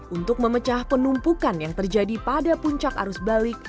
untuk memecah penumpukan yang terjadi pada puncak arus balik